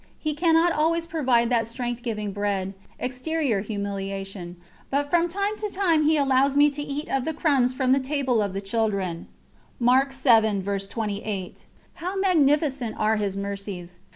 He cannot always provide that strength giving bread, exterior humiliation, but from time to time He allows me to eat of "the crumbs from the table of the children." How magnificent are His Mercies!